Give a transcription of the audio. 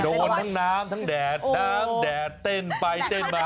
โดนทั้งน้ำทั้งแดดน้ำแดดเต้นไปเต้นมา